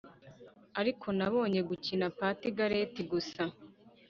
ariko nabonye gukina pat garrett gusa